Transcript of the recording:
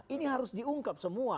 ini harus diungkap semua